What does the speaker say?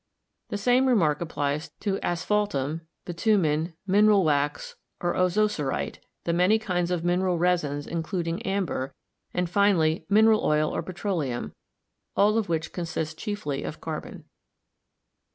The same remark applies to asphaltum, bitumen, mineral wax or ozocerite, the many kinds of mineral resins including amber, and finally min eral oil or petroleum, all of which consist chiefly of car bon.